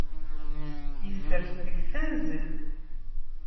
Isers deg-s anzel.